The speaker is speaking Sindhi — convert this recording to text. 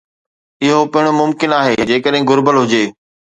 اهو پڻ ممڪن آهي جيڪڏهن گهربل هجي